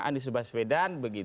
andi subaswedan begitu